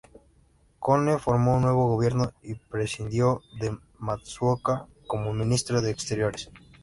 Konoe formó un nuevo gobierno y prescindió de Matsuoka como ministro de exteriores.